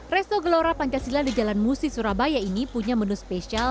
resto gelora pancasila di jalan musi surabaya ini punya menu spesial